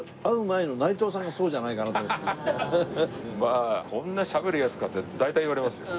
まあ「こんなしゃべるヤツか」って大体言われますよ。